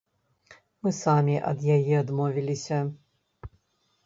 Мы самі ад яе адмовіліся.